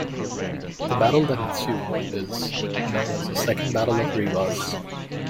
The battle that ensued is known as the Second Battle of Rivas.